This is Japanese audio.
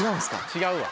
違うわ。